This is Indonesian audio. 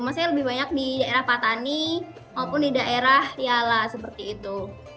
maksudnya lebih banyak di daerah patani maupun di daerah yala seperti itu